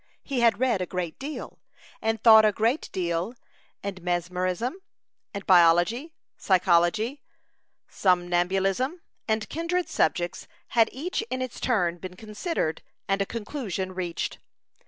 He had read a great deal, and thought a great deal; and mesmerism, biology, psychology, somnambulism, and kindred subjects, had each in its turn been considered, and a conclusion reached.